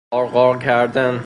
قارقار کردن